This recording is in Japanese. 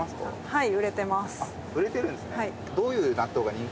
はい。